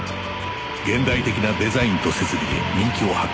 現代的なデザインと設備で人気を博している